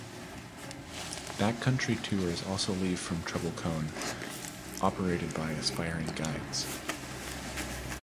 Backcountry tours also leave from Treble Cone, operated by Aspiring Guides.